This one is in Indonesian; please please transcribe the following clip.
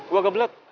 gua gak belet